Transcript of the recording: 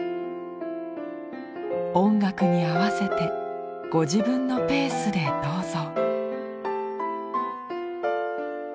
音楽に合わせてご自分のペースでどうぞ。